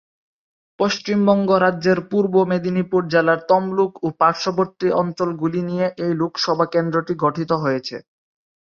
পশ্চিমবঙ্গ রাজ্যের পূর্ব মেদিনীপুর জেলার তমলুক ও পার্শ্ববর্তী অঞ্চলগুলি নিয়ে এই লোকসভা কেন্দ্রটি গঠিত হয়েছে।